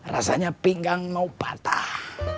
rasanya pinggang mau patah